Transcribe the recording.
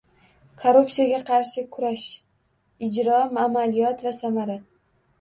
Korrupsiyaga qarshi kurash: ijro, amaliyot va samara